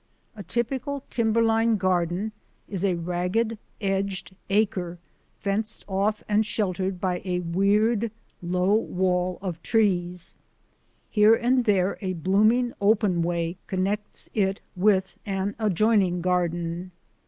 A typical timberline garden is a ragged edged acre fenced off and sheltered by a weird, low wall of trees. Here and there a blooming open way connects it with an adjoining garden.